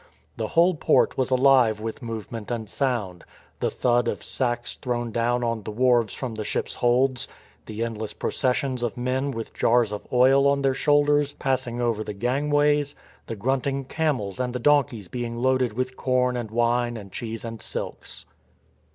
The whole port was alive with move ment and sound; the thud of sacks thrown down on the wharves from the ships' holds, the endless proces sions of men with jars of oil on their shoulders pass ing over the gangways, the grunting camels and the donkeys being loaded with corn and wine and cheese and silks.